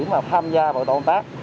mà tham gia bộ công tác